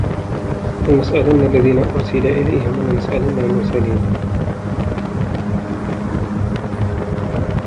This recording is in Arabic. فلنسألن الذين أرسل إليهم ولنسألن المرسلين